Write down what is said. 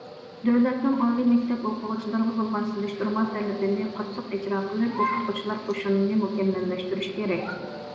دۆلەتنىڭ ئالىي مەكتەپ ئوقۇغۇچىلىرىغا بولغان سېلىشتۇرما تەلىپىنى قاتتىق ئىجرا قىلىپ، ئوقۇتقۇچىلار قوشۇنىنى مۇكەممەللەشتۈرۈش كېرەك.